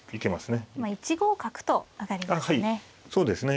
今１五角と上がりましたね。